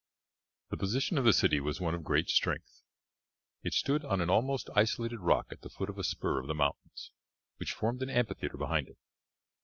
The position of the city was one of great strength. It stood on an almost isolated rock at the foot of a spur of the mountains which formed an amphitheatre behind it.